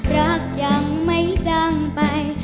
รักยังไม่จังไป